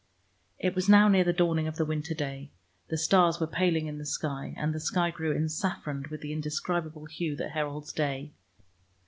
It was now near the dawning of the winter day; the stars were paling in the sky, and the sky grew ensaffroned with the indescribable hue that heralds day.